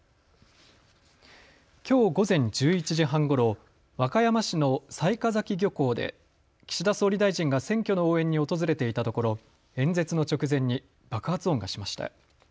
きょう午前１１時半ごろ、和歌山市の雑賀崎漁港で岸田総理大臣が選挙の応援に訪れていたところ演説の直前に爆発音がしました。